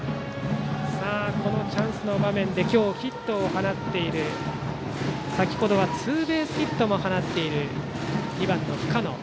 このチャンスの場面で今日ヒットを放っている先程はツーベースヒットも放っている２番、深野。